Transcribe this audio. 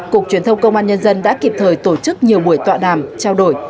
cục truyền thông công an nhân dân đã kịp thời tổ chức nhiều buổi tọa đàm trao đổi